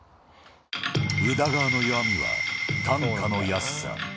宇田川の弱みは、単価の安さ。